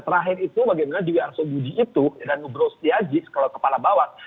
terakhir itu bagaimana dwi arso budi itu dan nugroho setiaji kalau kepala bawah